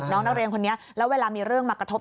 น้องนักเรียนคนนี้แล้วเวลามีเรื่องมากระทบ